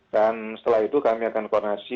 dan setelah itu kami akan koordinasi